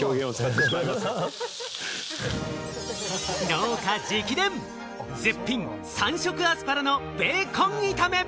農家直伝、絶品３色アスパラのベーコン炒め。